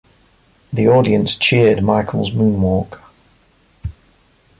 The audience cheered Michael's moonwalk.